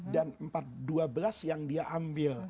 dua belas yang dia ambil